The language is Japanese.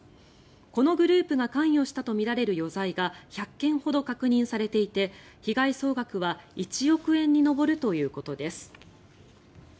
このグループが関与したとみられる余罪が１００件ほど確認されていて被害総額は１億円に上るということです。